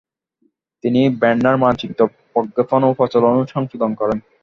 তিনি ভের্নার মানচিত্র প্রক্ষেপণ প্রচলন ও সংশোধন করেন।